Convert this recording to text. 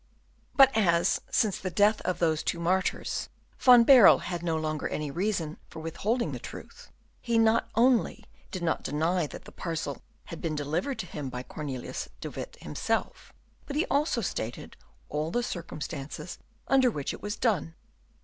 But as, since the death of those two martyrs, Van Baerle had no longer any reason for withholding the truth, he not only did not deny that the parcel had been delivered to him by Cornelius de Witt himself, but he also stated all the circumstances under which it was done.